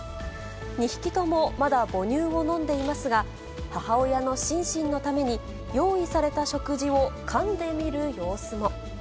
２匹ともまだ母乳を飲んでいますが、母親のシンシンのために、用意された食事をかんでみる様子も。